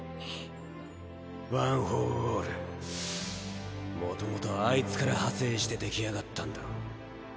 ワン・フォー・オール元々あいつから派生して出来上がったんだろ？